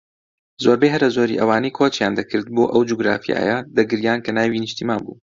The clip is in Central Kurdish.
زۆربەی هەرە زۆری ئەوانەی کۆچیان دەکرد بۆ ئەو جوگرافیایە دەگریان کە ناوی نیشتمان بوو